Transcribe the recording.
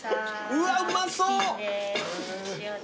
うわうまそう！